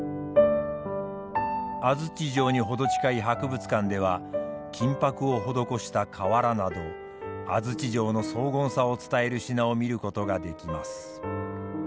安土城に程近い博物館では金箔を施した瓦など安土城の荘厳さを伝える品を見ることができます。